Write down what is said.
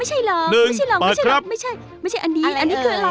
ไม่ใช่เหรอไม่ใช่เหรอ